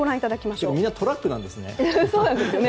みんなトラックなんですね。